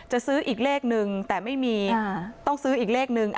ซื้ออีกเลขนึงแต่ไม่มีต้องซื้ออีกเลขนึง